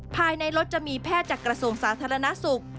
ภายในรถจะมีแพทย์จากกระทรวงสาธารณสุข